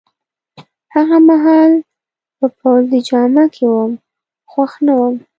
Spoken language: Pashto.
هغه مهال په پوځي جامه کي وم، خوښ نه وم.